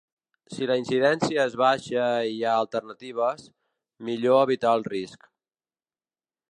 Si la incidència és baixa i hi ha alternatives, millor evitar el risc.